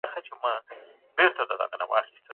دا متن د څېړني په اړه ډېر ګټور دی.